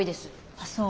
あっそう。